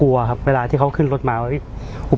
พี่ชอบจริงบอกว่าชอบทุก